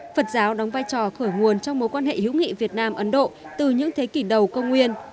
phật giáo đóng vai trò khởi nguồn trong mối quan hệ hữu nghị việt nam ấn độ từ những thế kỷ đầu công nguyên